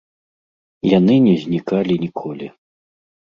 Яны не знікалі ніколі.